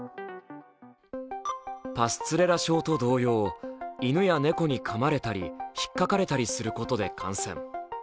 パスツレラ症と同様犬や猫にかまれたり引っかかれたりすることで感染。